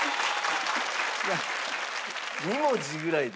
２文字ぐらいで。